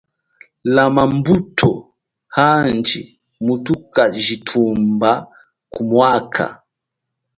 Lama mbuto aji muthukajithumba ku mwaka.